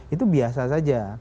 itu biasa saja